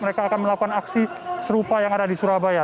mereka akan melakukan aksi serupa yang ada di surabaya